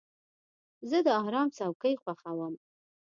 زه د آرام څوکۍ خوښوم.